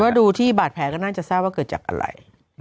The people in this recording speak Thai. ก็ดูที่บาดแผลก็น่าจะทราบว่าเกิดจากอะไร